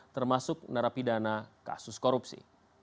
termasuk narapidana kasus korupsi